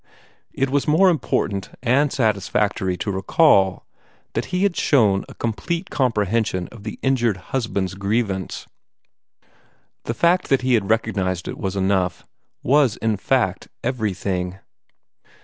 It was more important and satisfactory to recall that he had also shown a complete comprehension of the injured husband's grievance. The fact that he had recognized it was enough was, in fact, everything.